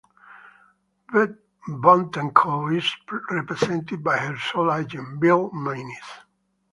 Bontecou is represented by her sole agent, Bill Maynes.